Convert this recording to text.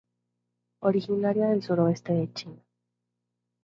Originaria del suroeste de China.